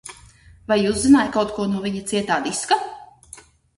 Vai uzzināji kaut ko no viņa cietā diska?